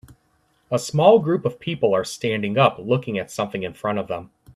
A small group of people are standing up looking at something in front of them.